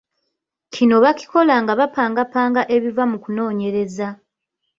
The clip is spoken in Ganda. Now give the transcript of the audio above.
Kino bakikola nga bapangapanga ebiva mu kunoonyereza.